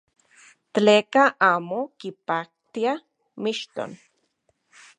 Tleka amo kipaktia mixton.